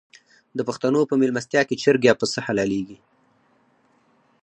د پښتنو په میلمستیا کې چرګ یا پسه حلاليږي.